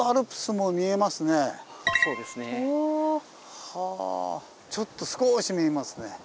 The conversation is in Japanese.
はあちょっと少し見えますね。